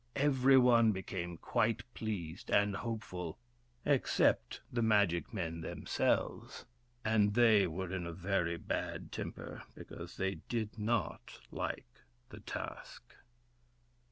Every one became quite pleased and hopeful, except the magic men themselves — and they were in a very bad temper, because they did not like the task.